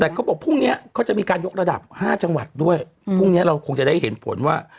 แต่เขาบอกพรุ่งเนี้ยเขาจะมีการยกระดับ๕จังหวัดด้วยพรุ่งเนี้ยเราคงจะได้เห็นผลว่า